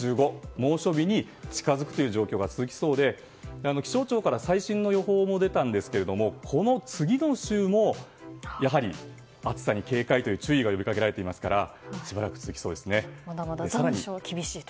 猛暑日に近づく状況が続きそうで、気象庁から最新の予報も出たんですがこの次の週も暑さに警戒と注意が呼びかけられていますからまだまだ残暑は厳しいと。